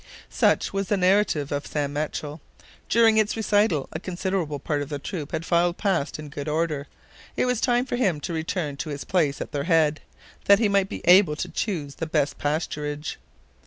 Such was the narrative of Sam Machell. During its recital, a considerable part of the troop had filed past in good order. It was time for him to return to his place at their head, that he might be able to choose the best pasturage.